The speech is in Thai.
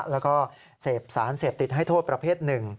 แล้วก็เสพสารเสพติดให้โทษประเภทหนึ่ง